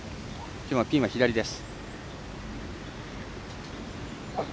きょうはピンは左です。